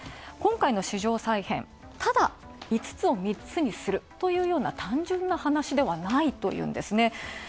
今回の市場再編、ただ５つを３つにするというような単純な話ではないというんですね。